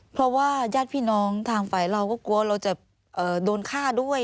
เพราะว่าญาติพี่น้องทางฝ่ายเราก็กลัวเราจะโดนฆ่าด้วย